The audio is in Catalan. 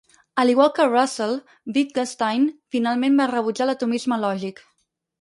A l'igual de Russell, Wittgenstein finalment va rebutjar l'atomisme lògic.